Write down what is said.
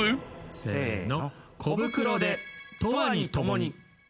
せーの。